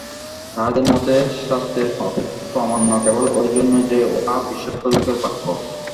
তাঁহাদের মতে শাস্ত্রের প্রামাণ্য কেবল এইজন্য যে, উহা বিশ্বস্ত লোকের বাক্য।